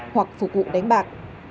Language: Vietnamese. hoặc phục vụ đánh bạc